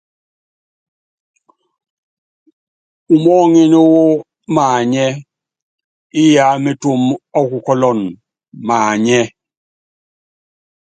Umɔ́ɔ́ŋín wɔ́ maanyɛ́, Iyá métúm ɔ́ kukɔ́lɔn maanyɛ́.